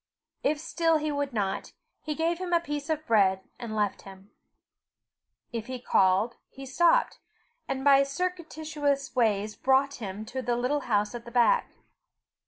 If still he would not, he gave him a piece of bread, and left him. If he called, he stopped, and by circuitous ways brought him to the little house at the back.